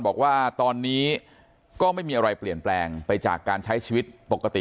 บอกว่าตอนนี้ก็ไม่มีอะไรเปลี่ยนแปลงไปจากการใช้ชีวิตปกติ